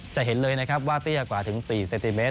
จะเห็นเลยนะครับว่าเตี้ยกว่าถึง๔เซนติเมตร